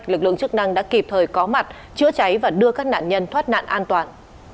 lực lượng chức năng đã kịp thời có mặt chữa cháy và đưa các nạn nhân thoát nạn an toàn